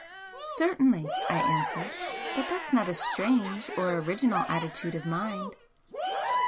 "Certainly," I answered "But that's not a 'strange' or original attitude of mind."